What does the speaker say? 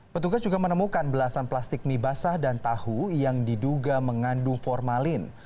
petugas juga menemukan belasan plastik mie basah dan tahu yang diduga mengandung formalin